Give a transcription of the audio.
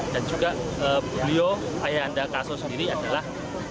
dan juga beliau ayah anda kasau sendiri adalah